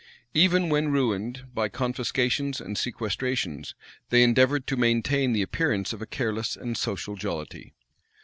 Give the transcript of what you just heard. Even when ruined by confiscations and sequestrations, they endeavored to maintain the appearance of a careless and social jollity.